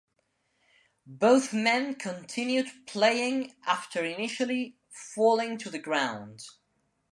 Both men continued playing after initially falling to the ground.